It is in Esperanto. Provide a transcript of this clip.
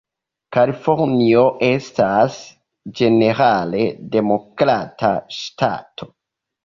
Kalifornio estas ĝenerale Demokrata ŝtato.